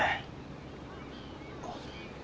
あっ。